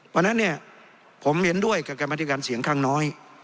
เพราะฉะนั้นผมเห็นด้วยกับการมาตรีการเสียงข้างน้อย